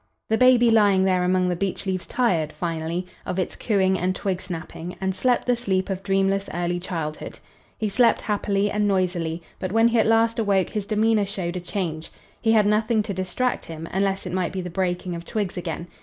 The baby lying there among the beech leaves tired, finally, of its cooing and twig snapping and slept the sleep of dreamless early childhood. He slept happily and noiselessly, but when he at last awoke his demeanor showed a change. He had nothing to distract him, unless it might be the breaking of twigs again.